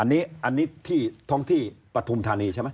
อันนี้ท้องที่ประธุมธานีใช่ไหม